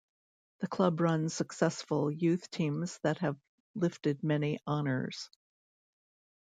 The club runs successful youth teams that have lifted many honours.